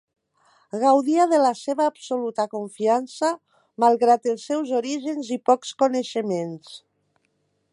Gaudia de la seva absoluta confiança malgrat els seus orígens i pocs coneixements.